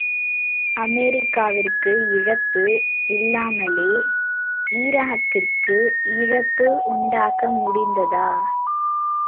அமெரிக்காவிற்கு இழப்பு இல்லாமலே ஈராக்கிற்கு இழப்பு உண்டாக்க முடிந்ததா?